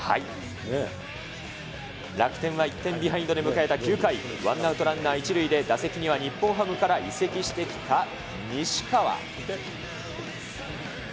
楽天は１点ビハインドで迎えた９回、ワンアウトランナー１塁で、打席には日本ハムから移籍してきた西川。